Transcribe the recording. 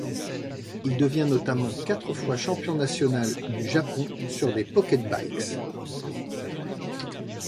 Il devient notamment quatre fois champion national du Japon sur des pocket-bikes.